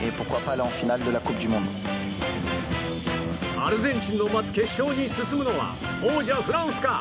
アルゼンチンの待つ決勝に進むのは王者フランスか？